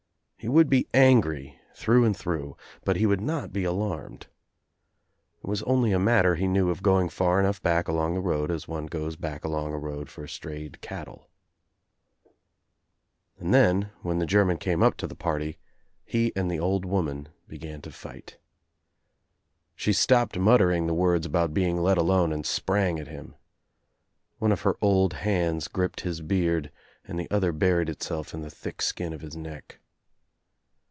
He would be angry through and through, but he would not be alarmed. It was only a matter, he knew, of going far enough back along the road as one goes back along a road for strayed cattle. And then, when the German came up to the party. i65 ^^^^■^ WAR H lie and the old woman began to fight. She stopped ^ muttering the words about being let alone and sprang at him. One of her old hands gripped his beard and the other buried itself in the thick skin of his neck.